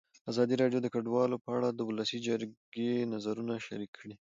ازادي راډیو د کډوال په اړه د ولسي جرګې نظرونه شریک کړي.